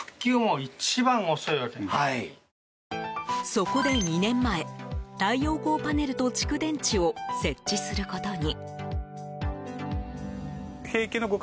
そこで、２年前太陽光パネルと蓄電池を設置することに。